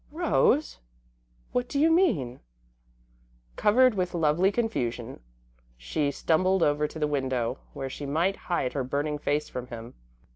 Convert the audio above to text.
"Rose! What do you mean?" Covered with lovely confusion, she stumbled over to the window, where she might hide her burning face from him.